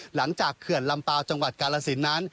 หลังจากเขื่อนลำปาวจังหวัดกาลสินทร์นั้น